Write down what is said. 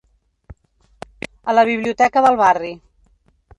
A la biblioteca del barri.